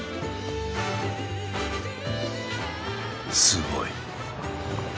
すごい！